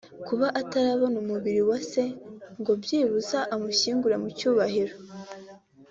Kuba ataranabona umubiri wa se ngo byibura amushyingure mu cyubahiro